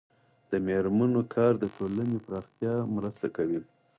د میرمنو کار د ټولنې پراختیا مرسته کوي.